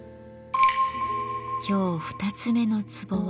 今日２つ目の壺は